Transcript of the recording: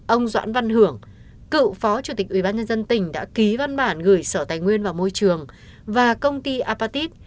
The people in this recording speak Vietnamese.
ông doãn văn hưởng cựu phó chủ tịch ủy ban nhân dân tỉnh đã ký văn bản gửi sở tài nguyên vào môi trường và công ty apatit